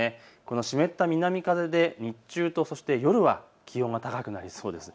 湿った南風で日中と、そして夜は気温が高くなりそうです。